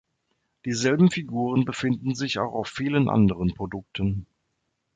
Dieselben Figuren befinden sich auch auf vielen anderen Produkten.